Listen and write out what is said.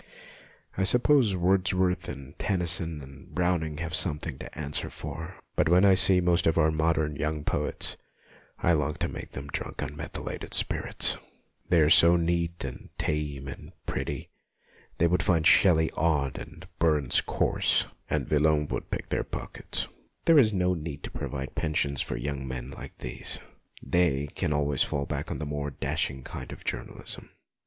I sup pose Wordsworth and Tennyson and Brown ing have something to answer for, but when I see most of our modern young poets I long to make them drunk on methylated spirits. They are so neat and tame and pretty. They would find Shelley odd and Burns coarse, and Villon would pick their pockets. There is no need to provide pensions for young men like these ; they, can always fall back on the more dashing kind of journalism.